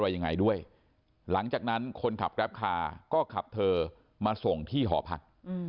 อะไรยังไงด้วยหลังจากนั้นคนขับแกรปคาร์ก็ขับเธอมาส่งที่หอพัก